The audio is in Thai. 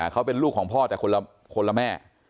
เขาเป็นลูกของพ่อแต่คนละแม่